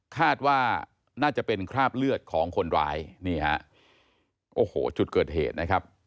คาดว่าน่าจะเป็นคราบเลือดของคนร้ายนี่ฮะโอ้โหจุดเกิดเหตุนะครับ